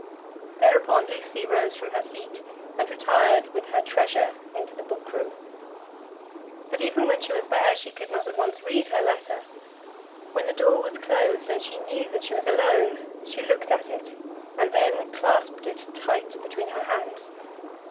Thereupon Lucy rose from her seat, and retired with her treasure into the book room. But even when she was there she could not at once read her letter. When the door was closed and she knew that she was alone she looked at it, and then clasped it tight between her hands.